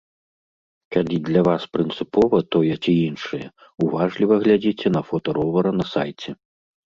Калі для вас прынцыпова тое ці іншае, уважліва глядзіце на фота ровара на сайце.